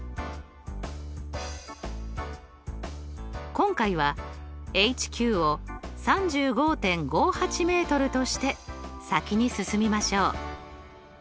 今回はＨＱを３５．５８ｍとして先に進みましょう。